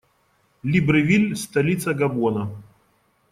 Либревиль - столица Габона.